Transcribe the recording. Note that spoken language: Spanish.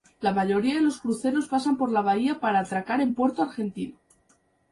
La mayoría de los cruceros pasan por la bahía para atracar en Puerto Argentino.